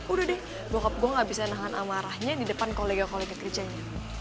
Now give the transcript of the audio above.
udah deh bokap gue gak bisa nahan amarahnya di depan kolega kolega kerjanya